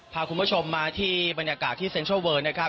พาคุณผู้ชมมาที่บรรยากาศที่เซ็นทรัลเวอร์นะครับ